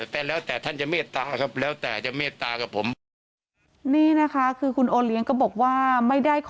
แต่แล้วแต่ท่านจะเมตตาครับแล้วแต่จะเมตตากับผม